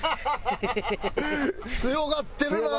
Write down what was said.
強がってるなあ！